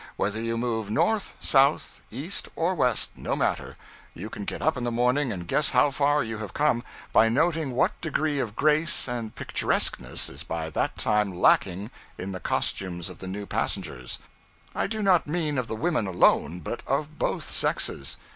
Whether you move north, south, east, or west, no matter: you can get up in the morning and guess how far you have come, by noting what degree of grace and picturesqueness is by that time lacking in the costumes of the new passengers, I do not mean of the women alone, but of both sexes.